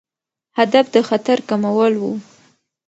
هدف د خطر کمول وو.